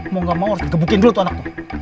mau gak mau harus dikebukin dulu tuh anak tuh